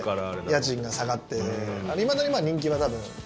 家賃が下がっていまだに人気は多分。